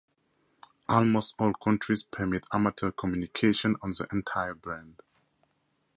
Almost all countries permit amateur communications on the entire band.